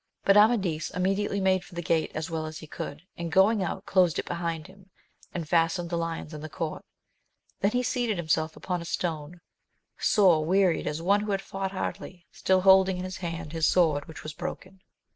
But Amadis immediately made for the gate as well as he'could, and going out closed it behind him, and fastened the lions in the court. Then he seated himself upon a stone, sore wearied as one who had fought hardly, still holding in his hand his sword which was broken.